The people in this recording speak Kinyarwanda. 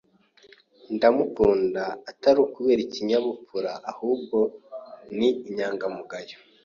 Ndamukunda atari ukubera ikinyabupfura, ahubwo ni inyangamugayo.